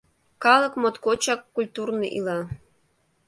Калык моткочак культурно ила.